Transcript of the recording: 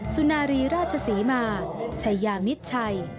สุนารีราชศรีมาชัยยามิดชัย